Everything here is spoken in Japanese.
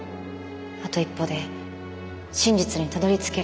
あと一歩で真実にたどりつけるから。